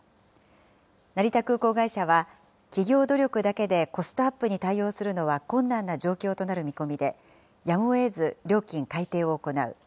成田空港会社は企業努力だけでコストアップに対応するのは困難な状況となる見込みで、やむをえず料金改定を行う。